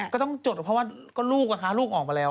ก็ต้องจดเพราะว่าก็ลูกนะคะลูกออกมาแล้ว